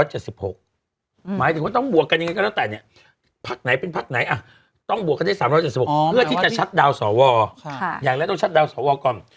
ดาวสอวออย่างนั้นต้องชัดดาวสอวอก่อน